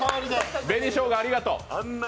紅しょうがありがとう。